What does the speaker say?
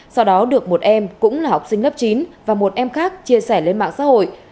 sau đó được một em cũng là học sinh lớp chín và một em khác chia sẻ lên mạng xã hội